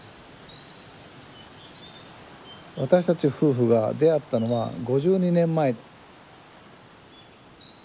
私たち夫婦が出会ったのは５２年前。